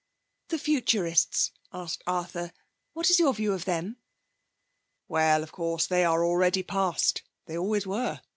'The Futurists?' asked Arthur. 'What is your view of them?' 'Well, of course, they are already past, They always were.